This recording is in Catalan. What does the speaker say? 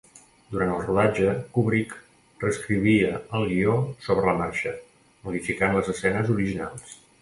Durant el rodatge, Kubrick reescrivia el guió sobre la marxa, modificant les escenes originals.